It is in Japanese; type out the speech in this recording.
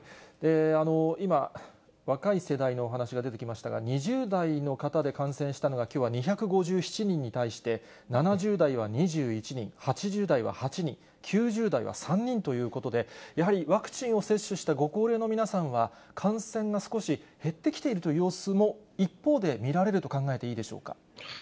今、若い世代のお話が出てきましたが、２０代の方で感染したのが、きょうは２５７人に対して、７０代は２１人、８０代は８人、９０代は３人ということで、やはりワクチンを接種したご高齢の皆さんは、感染が少し減ってきているという様子も、一方で見られると考えていいでしょうか。